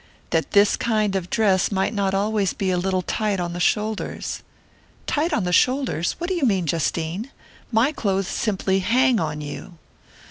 "That this kind of dress might not always be a little tight on the shoulders." "Tight on the shoulders? What do you mean, Justine? My clothes simply hang on you!"